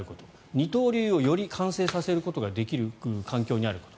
二刀流をより完成させることができる環境にあること。